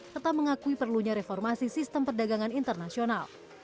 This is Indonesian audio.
serta mengakui perlunya reformasi sistem perdagangan internasional